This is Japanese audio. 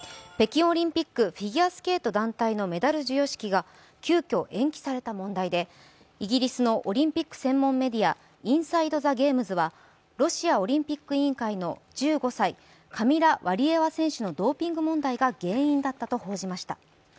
北京オリンピックフィギュアスケート団体のメダル授与式が急きょ延期された問題で、イギリスのオリンピック専門メディア「インサイド・ザ・ゲームス」はロシアオリンピック委員会の１５歳、カミラ・ワリエワ選手のドーピング問題が原因だったと報じました。